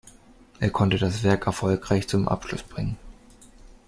Er konnte das Werk erfolgreich zum Abschluss bringen.